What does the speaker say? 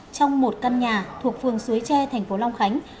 trong một căn nhà thuộc phường suối tre thành phố long khánh